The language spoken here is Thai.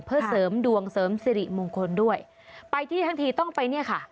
เพื่อเสริมดวงเสริมสิริมงคลด้วยไปที่ทั้งทีต้องไปเนี่ยค่ะ